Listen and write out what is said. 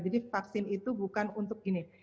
jadi vaksin itu bukan untuk gini